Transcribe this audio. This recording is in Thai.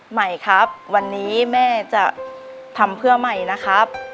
ใหม่ครับวันนี้แม่จะทำเพื่อใหม่นะครับ